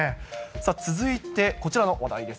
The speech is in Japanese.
続いてこちらの話題です。